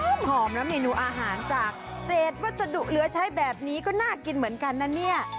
หอมแล้วเมนูอาหารจากเศษวัสดุเหลือใช้แบบนี้ก็น่ากินเหมือนกันนะเนี่ย